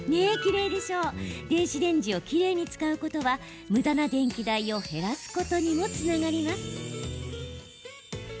電子レンジをきれいに使うことはむだな電気代を減らすことにもつながります。